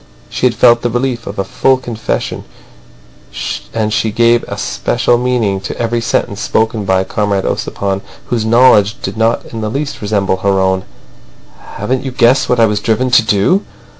She had felt the relief of a full confession, and she gave a special meaning to every sentence spoken by Comrade Ossipon, whose knowledge did not in the least resemble her own. "Haven't you guessed what I was driven to do!"